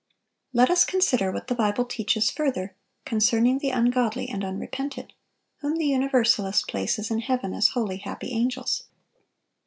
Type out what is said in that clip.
Let us consider what the Bible teaches further concerning the ungodly and unrepentant, whom the Universalist places in heaven as holy, happy angels.